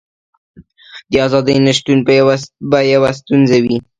د ازادۍ نشتون به یوه ستونزه وي.